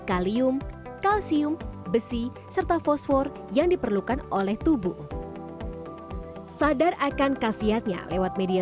kalium kalsium besi serta fosfor yang diperlukan oleh tubuh sadar akan khasiatnya lewat media